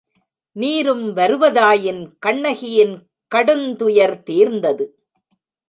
நீரும் வருவதாயின் கண்ணகியின் கடுந்துயர் தீர்ந்தது.